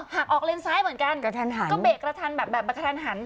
หากออกเลนซ้ายเหมือนกันก็เบียงกระทันแบบกระทันหัน